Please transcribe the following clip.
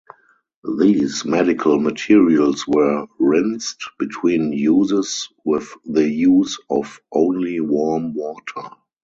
These medical materials were rinsed between uses with the use of only warm water.